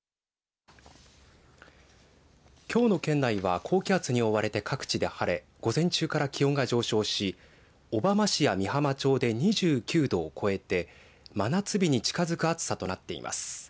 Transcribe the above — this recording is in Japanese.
きょうの県内は高気圧に覆われて各地で晴れ午前中から気温が上昇し小浜市や美浜町で２９度を超えて真夏日に近づく暑さとなっています。